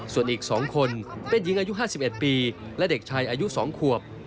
ส่วนอีก๒คนเป็นหญิงอายุ๕๑ปีและเด็กชายอายุ๒ขวบ